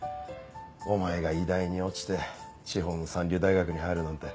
お前が医大に落ちて地方の三流大学に入るなんて。